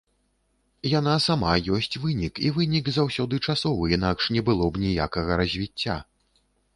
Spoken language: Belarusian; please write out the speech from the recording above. Яна сама ёсць вынік, і вынік заўсёды часовы, інакш не было б ніякага развіцця.